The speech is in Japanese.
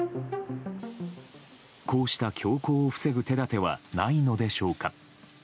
こうした凶行を防ぐ手立てはないのでしょうか。